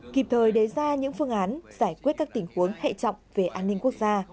kịp thời đề ra những phương án giải quyết các tình huống hệ trọng về an ninh quốc gia